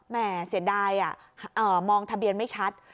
แม่เสียดายมองทะเบียนไม่ชัด